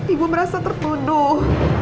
ibu merasa tertuduh